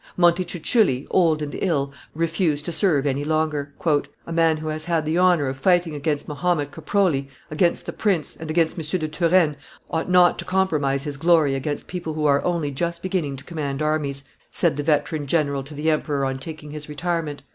Montecuculli, old and ill, refused to serve any longer. "A man who has had the honor of fighting against Mahomet Coprogli, against the prince, and against M. de Turenne, ought not to compromise his glory against people who are only just beginning to command armies," said the, veteran general to the emperor on taking his retirement.